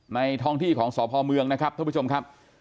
ในทองที่ของสอบภอมเมืองนะครับทุกผู้ชมครับ